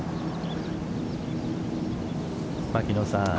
牧野さん